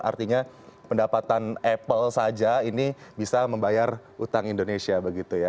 artinya pendapatan apple saja ini bisa membayar utang indonesia begitu ya